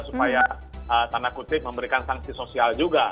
supaya tanda kutip memberikan sanksi sosial juga